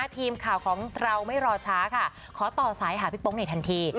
ทีมข่าวของเราไม่รอช้าค่ะขอต่อสายหาพี่โป๊งในทันที